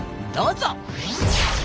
どうぞ！